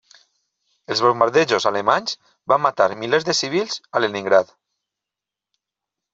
Els bombardeigs alemanys van matar milers de civils a Leningrad.